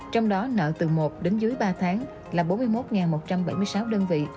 trong đó nợ từ một đến dưới ba tháng là bốn mươi một một trăm bảy mươi sáu đơn vị